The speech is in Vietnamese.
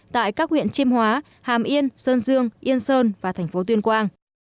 tại các huyện chiêm hóa hàm yên sơn dương yên sơn và thành phố tuyên quang